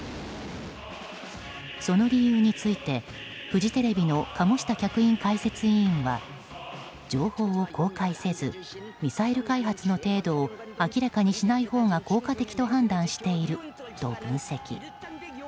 その理由についてフジテレビの鴨下客員解説委員は情報を公開せずミサイル開発の程度を明らかにしないほうが効果的と判断していると分析。